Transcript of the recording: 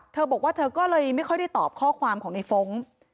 เธอบอกว่าเธอก็เลยไม่ค่อยได้ตอบข้อความของในฟ้อง